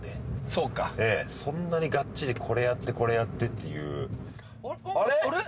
そうかそんなにガッチリこれやってこれやってっていうあれ？